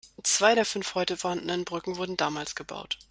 Zwei der fünf heute vorhandenen Brücken wurden damals gebaut.